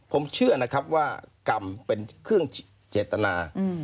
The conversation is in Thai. ผมเชื่อนะครับว่ากรรมเป็นเครื่องเจตนา